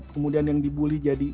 kemudian yang dibully jadi